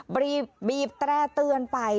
บีบแตร่เตือนไป